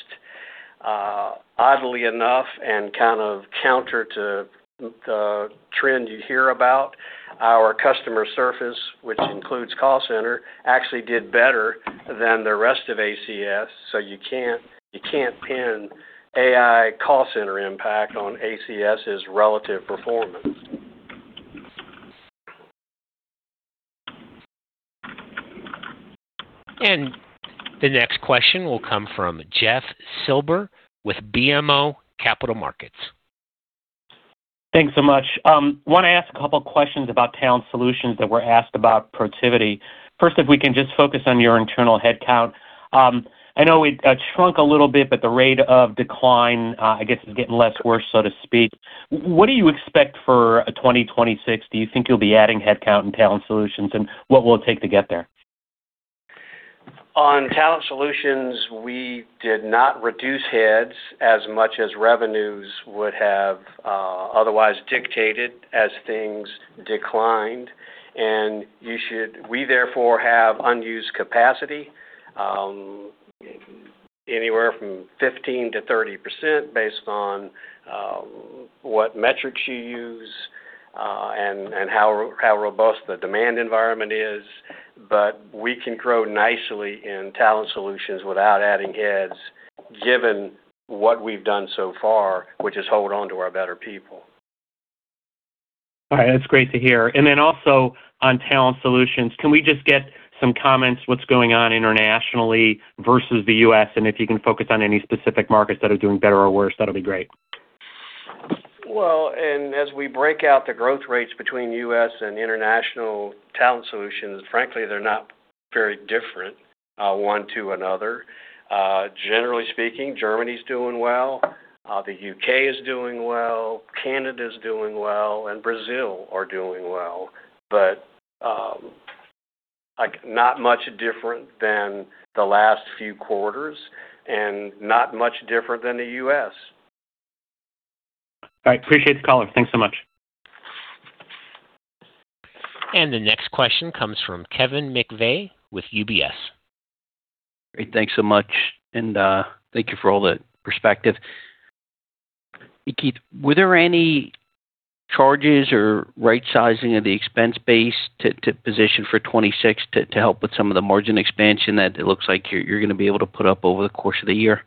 S2: Oddly enough, and kind of counter to the trend you hear about, our customer service, which includes call center, actually did better than the rest of ACS. So you can't pin AI call center impact on ACS's relative performance.
S1: And 59:35:00next question will come from Jeff Silber with BMO Capital Markets. Thanks so much.
S9: I want to ask a couple of questions about Talent Solutions that were asked about Protiviti. First, if we can just focus on your internal headcount. I know it shrunk a little bit, but the rate of decline, I guess, is getting less worse, so to speak. What do you expect for 2026? Do you think you'll be adding headcount in Talent Solutions, and what will it take to get there?
S3: On Talent Solutions, we did not reduce heads as much as revenues would have otherwise dictated as things declined. And we therefore have unused capacity anywhere from 15%-30% based on what metrics you use and how robust the demand environment is. But we can grow nicely in Talent Solutions without adding heads, given what we've done so far, which is hold on to our better people.
S9: All right. That's great to hear. And then also on talent solutions, can we just get some comments? What's going on internationally versus the U.S.? And if you can focus on any specific markets that are doing better or worse, that'll be great.
S3: Well, and as we break out the growth rates between U.S. and international talent solutions, frankly, they're not very different one to another. Generally speaking, Germany's doing well. The UK is doing well. Canada is doing well. And Brazil are doing well. But not much different than the last few quarters and not much different than the U.S. All right.
S9: Appreciate the call. Thanks so much.
S1: And the next question comes from Kevin McVeigh with UBS. Great.
S10: Thanks so much. And thank you for all the perspective. Keith, were there any charges or right-sizing of the expense base to position for 2026 to help with some of the margin expansion that it looks like you're going to be able to put up over the course of the year?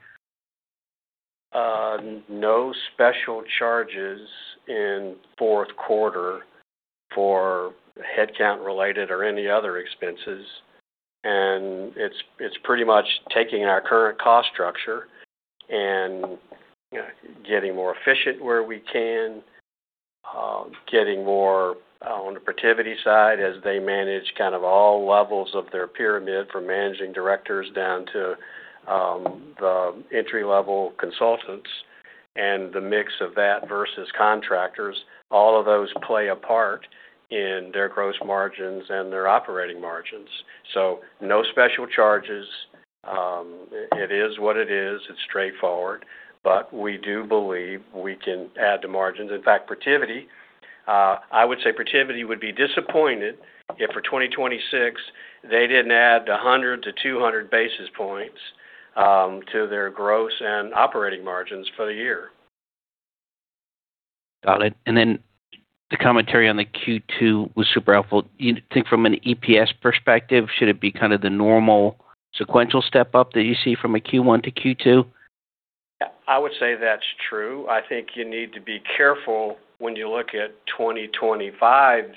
S2: No special charges in fourth quarter for headcount-related or any other expenses. It's pretty much taking our current cost structure and getting more efficient where we can, getting more on the Protiviti side as they manage kind of all levels of their pyramid from managing directors down to the entry-level consultants and the mix of that versus contractors. All of those play a part in their gross margins and their operating margins. So no special charges. It is what it is. It's straightforward. But we do believe we can add to margins. In fact, Protiviti, I would say Protiviti would be disappointed if for 2026, they didn't add 100-200 basis points to their gross and operating margins for the year.
S10: Got it. And then the commentary on the Q2 was super helpful. You think from an EPS perspective, should it be kind of the normal sequential step-up that you see from a Q1 to Q2?
S2: I would say that's true. I think you need to be careful when you look at 2025's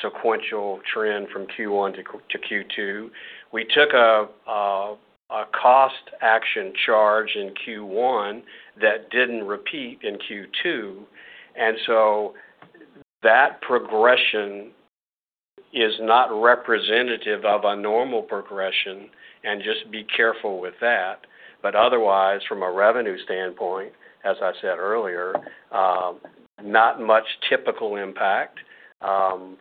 S2: sequential trend from Q1 to Q2. We took a cost action charge in Q1 that didn't repeat in Q2. And so that progression is not representative of a normal progression and just be careful with that. But otherwise, from a revenue standpoint, as I said earlier, not much typical impact.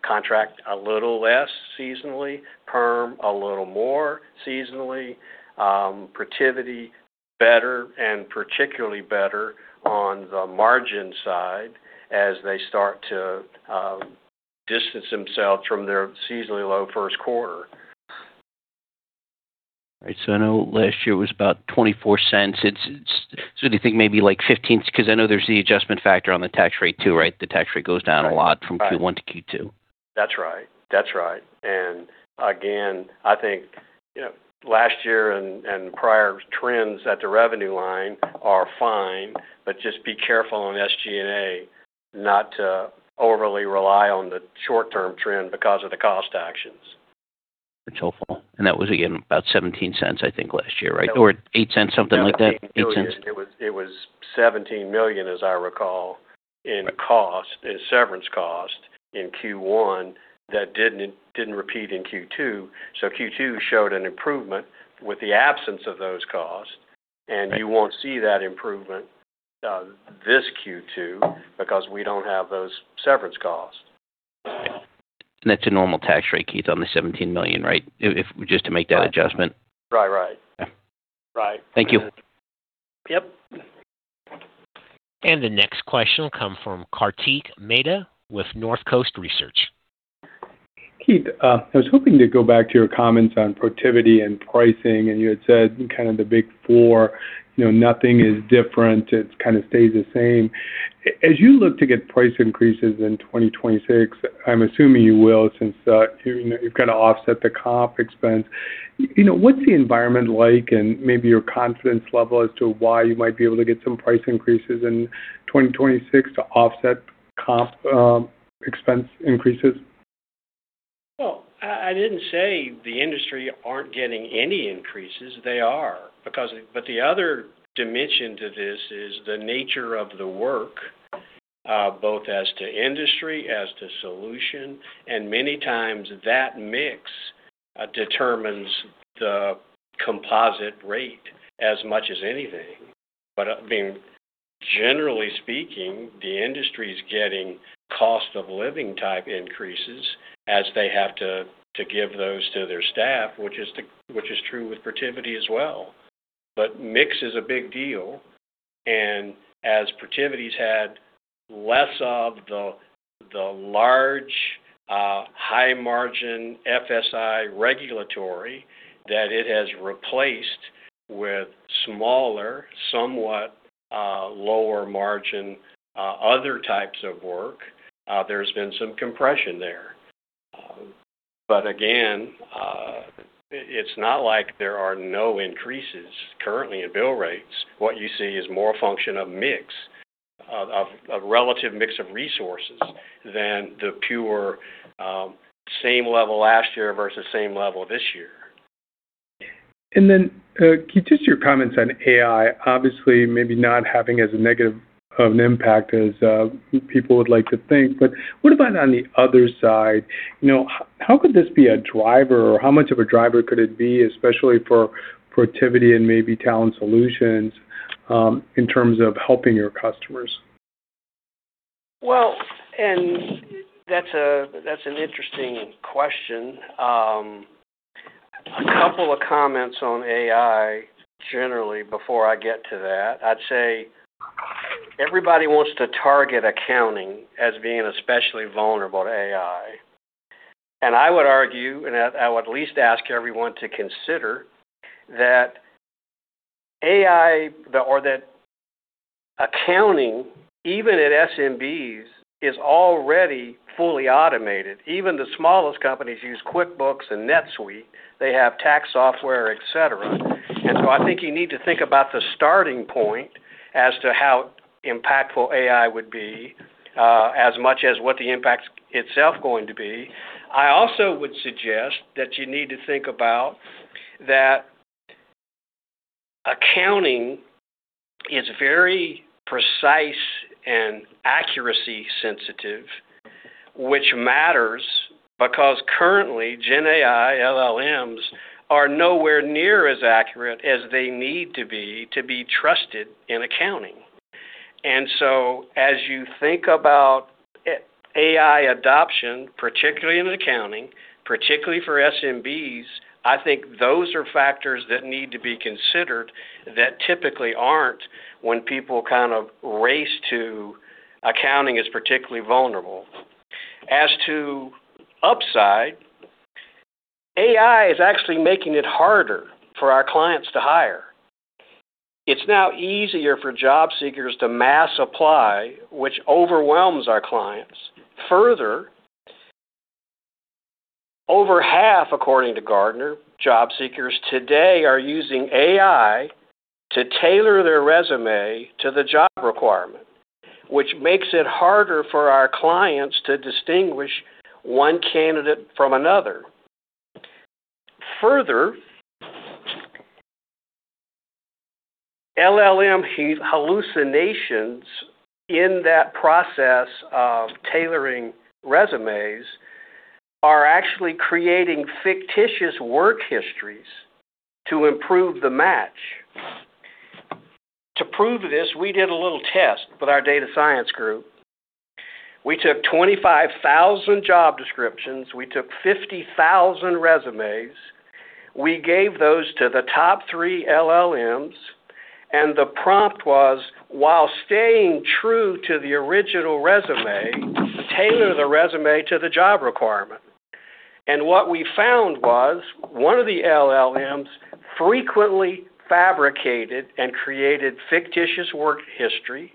S2: Contract a little less seasonally. Perm, a little more seasonally. Protiviti, better and particularly better on the margin side as they start to distance themselves from their seasonally low first quarter. Right.
S10: So I know last year it was about $0.24. So do you think maybe like $0.15 because I know there's the adjustment factor on the tax rate too, right? The tax rate goes down a lot from Q1 to Q2.
S2: That's right. That's right. And again, I think last year and prior trends at the revenue line are fine, but just be careful on SG&A not to overly rely on the short-term trend because of the cost actions.
S10: That's helpful. And that was, again, about $0.17, I think, last year, right? Or $0.08, something like that? $0.08.
S2: It was $17 million, as I recall, in severance cost in Q1 that didn't repeat in Q2. So Q2 showed an improvement with the absence of those costs. And you won't see that improvement this Q2 because we don't have those severance costs.
S10: And that's a normal tax rate, Keith, on the $17 million, right? Just to make that adjustment. Right.
S2: Right. Right.
S10: Thank you.
S2: Yep.
S1: And the next question will come from Karthik Mehta with Northcoast Research.
S11: Keith, I was hoping to go back to your comments on Protiviti and pricing. And you had said kind of the Big Four, nothing is different. It kind of stays the same. As you look to get price increases in 2026, I'm assuming you will since you've got to offset the comp expense. What's the environment like and maybe your confidence level as to why you might be able to get some price increases in 2026 to offset comp expense increases?
S2: Well, I didn't say the industry aren't getting any increases. They are. But the other dimension to this is the nature of the work, both as to industry, as to solution. And many times that mix determines the composite rate as much as anything. But I mean, generally speaking, the industry is getting cost-of-living type increases as they have to give those to their staff, which is true with Protiviti as well. But mix is a big deal. And as Protiviti's had less of the large, high-margin FSI regulatory that it has replaced with smaller, somewhat lower-margin other types of work, there's been some compression there. But again, it's not like there are no increases currently in bill rates. What you see is more a function of mix, a relative mix of resources than the pure same level last year versus same level this year.
S11: And then, Keith, just your comments on AI, obviously maybe not having as negative of an impact as people would like to think. But what about on the other side? How could this be a driver, or how much of a driver could it be, especially for Protiviti and maybe Talent Solutions in terms of helping your customers?
S2: Well, and that's an interesting question. A couple of comments on AI generally before I get to that. I'd say everybody wants to target accounting as being especially vulnerable to AI. And I would argue, and I would at least ask everyone to consider, that AI or that accounting, even at SMBs, is already fully automated. Even the smallest companies use QuickBooks and NetSuite. They have tax software, etc. And so I think you need to think about the starting point as to how impactful AI would be as much as what the impact itself is going to be. I also would suggest that you need to think about that accounting is very precise and accuracy-sensitive, which matters because currently, GenAI LLMs are nowhere near as accurate as they need to be to be trusted in accounting. And so as you think about AI adoption, particularly in accounting, particularly for SMBs, I think those are factors that need to be considered that typically aren't when people kind of race to accounting as particularly vulnerable. As to upside, AI is actually making it harder for our clients to hire. It's now easier for job seekers to mass apply, which overwhelms our clients further. Over half, according to Gartner, job seekers today are using AI to tailor their resume to the job requirement, which makes it harder for our clients to distinguish one candidate from another. Further, LLM hallucinations in that process of tailoring resumes are actually creating fictitious work histories to improve the match. To prove this, we did a little test with our data science group. We took 25,000 job descriptions. We took 50,000 resumes. We gave those to the top three LLMs. And the prompt was, "While staying true to the original resume, tailor the resume to the job requirement." And what we found was one of the LLMs frequently fabricated and created fictitious work history.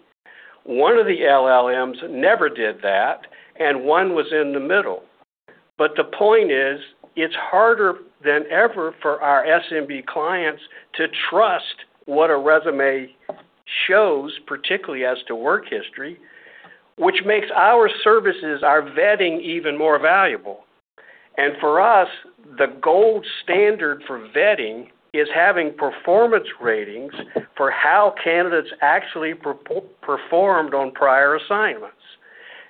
S2: One of the LLMs never did that. And one was in the middle. But the point is, it's harder than ever for our SMB clients to trust what a resume shows, particularly as to work history, which makes our services, our vetting, even more valuable. And for us, the gold standard for vetting is having performance ratings for how candidates actually performed on prior assignments.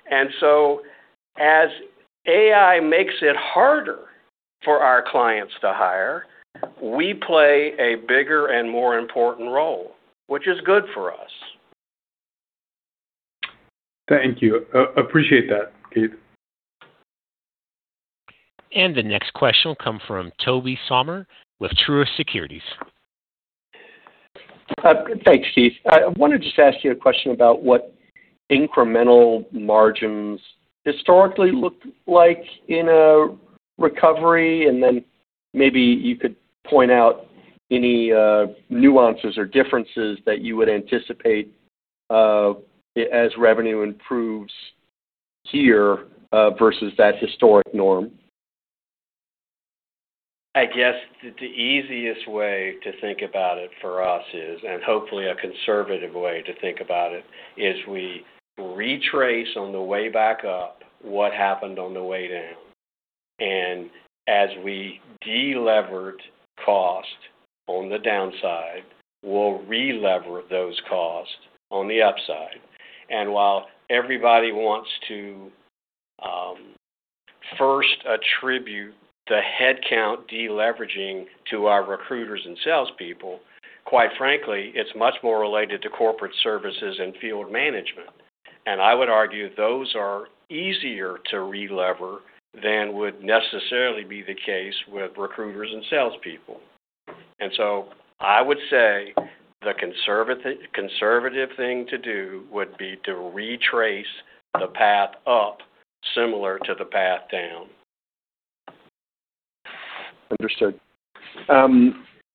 S2: And so as AI makes it harder for our clients to hire, we play a bigger and more important role, which is good for us.
S11: Thank you. Appreciate that, Keith.
S1: And the next question will come from Tobey Sommer with Truist Securities.
S12: Thanks, Keith. I wanted to just ask you a question about what incremental margins historically looked like in a recovery. And then maybe you could point out any nuances or differences that you would anticipate as revenue improves here versus that historic norm.
S2: I guess the easiest way to think about it for us is, and hopefully a conservative way to think about it, is we retrace on the way back up what happened on the way down. As we deleverage cost on the downside, we'll releverage those costs on the upside. While everybody wants to first attribute the headcount deleveraging to our recruiters and salespeople, quite frankly, it's much more related to corporate services and field management. I would argue those are easier to releverage than would necessarily be the case with recruiters and salespeople. So I would say the conservative thing to do would be to retrace the path up similar to the path down.
S12: Understood.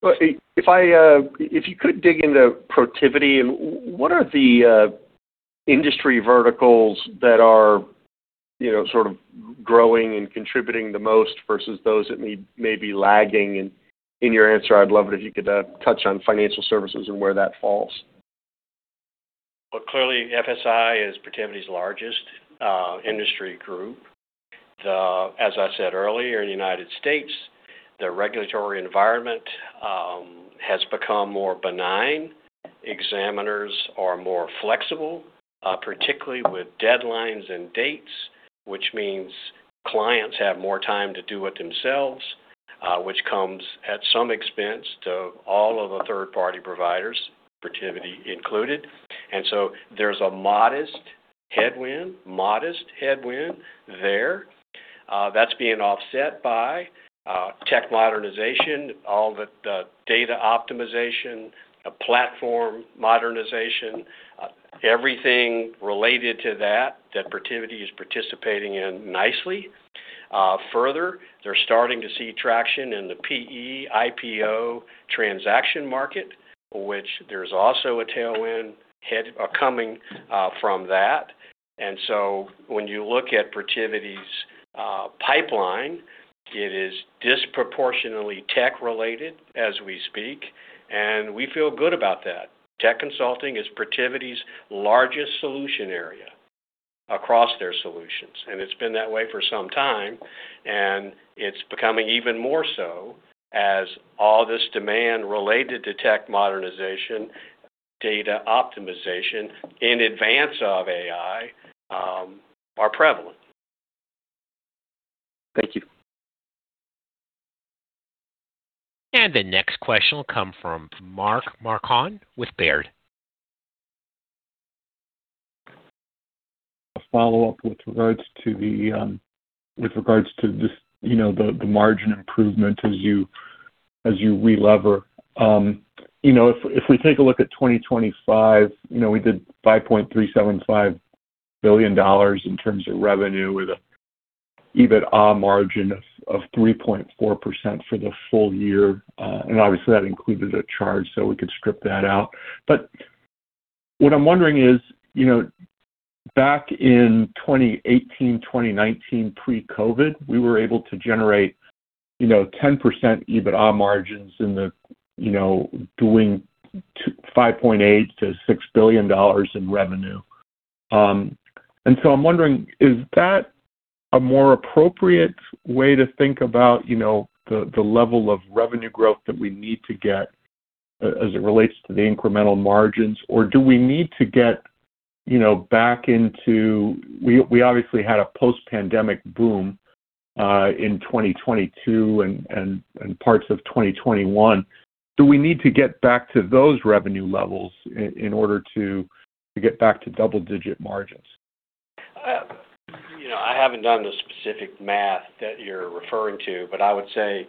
S12: If you could dig into Protiviti, what are the industry verticals that are sort of growing and contributing the most versus those that may be lagging? And in your answer, I'd love it if you could touch on financial services and where that falls.
S2: Well, clearly, FSI is Protiviti's largest industry group. As I said earlier, in the United States, the regulatory environment has become more benign. Examiners are more flexible, particularly with deadlines and dates, which means clients have more time to do it themselves, which comes at some expense to all of the third-party providers, Protiviti included. And so there's a modest headwind, modest headwind there. That's being offset by tech modernization, all the data optimization, platform modernization, everything related to that that Protiviti is participating in nicely. Further, they're starting to see traction in the PE, IPO transaction market, which there's also a tailwind coming from that. And so when you look at Protiviti's pipeline, it is disproportionately tech-related as we speak. And we feel good about that. Tech consulting is Protiviti's largest solution area across their solutions. It's been that way for some time. It's becoming even more so as all this demand related to tech modernization, data optimization in advance of AI are prevalent.
S12: Thank you.
S1: The next question will come from Mark Marcon with Baird.
S4: A follow-up with regards to the margin improvement as you re-lever. If we take a look at 2025, we did $5.375 billion in terms of revenue with an EBITDA margin of 3.4% for the full year. Obviously, that included a charge, so we could strip that out. But what I'm wondering is, back in 2018, 2019, pre-COVID, we were able to generate 10% EBITDA margins in doing $5.8-$6 billion in revenue. So I'm wondering, is that a more appropriate way to think about the level of revenue growth that we need to get as it relates to the incremental margins? Or do we need to get back into—we obviously had a post-pandemic boom in 2022 and parts of 2021. Do we need to get back to those revenue levels in order to get back to double-digit margins?
S2: I haven't done the specific math that you're referring to, but I would say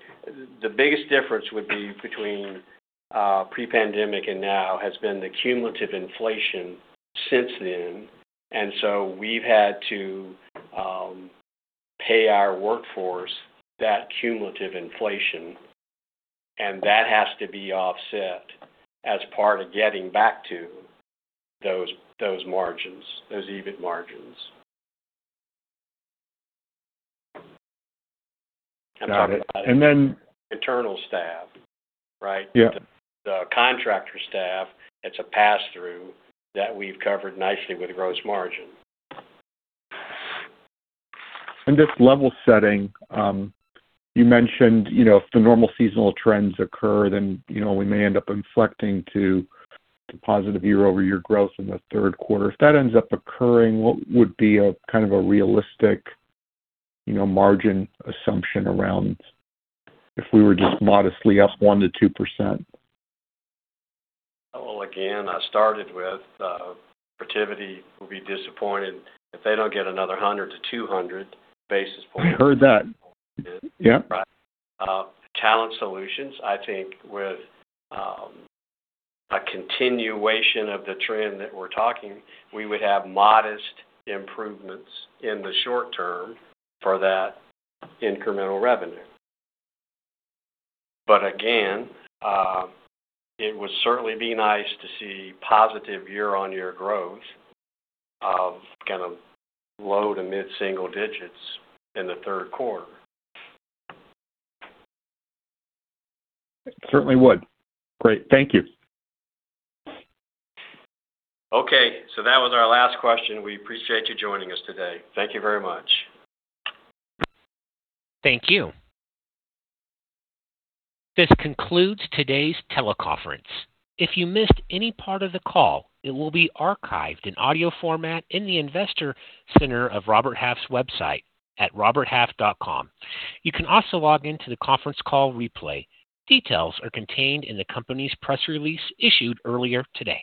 S2: the biggest difference would be between pre-pandemic and now has been the cumulative inflation since then. And so we've had to pay our workforce that cumulative inflation. And that has to be offset as part of getting back to those margins, those EBIT margins. And so that—
S4: Got it.
S2: And then internal staff, right? Yeah. The contractor staff, it's a pass-through that we've covered nicely with gross margin.
S4: This level setting, you mentioned if the normal seasonal trends occur, then we may end up inflecting to positive year-over-year growth in the third quarter. If that ends up occurring, what would be a kind of a realistic margin assumption around if we were just modestly up 1%-2%?
S3: Well, again, I started with Protiviti will be disappointed if they don't get another 100-200 basis points. I heard that. Yeah. Right? Talent Solutions, I think with a continuation of the trend that we're talking, we would have modest improvements in the short term for that incremental revenue. But again, it would certainly be nice to see positive year-over-year growth of kind of low- to mid-single digits in the third quarter.
S4: Certainly would. Great. Thank you.
S2: Okay. So that was our last question. We appreciate you joining us today. Thank you very much.
S1: Thank you. This concludes today's teleconference. If you missed any part of the call, it will be archived in audio format in the Investor Center of Robert Half's website at roberthalf.com. You can also log into the conference call replay. Details are contained in the company's press release issued earlier today.